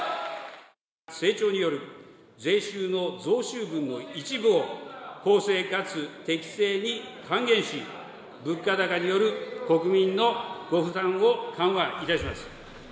成長による税収の増収分の一部を公正かつ適正に還元し、物価高による国民のご負担を緩和いたします。